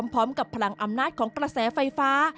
พร้อมกับพลังอำนาจของกระแสไฟฟ้า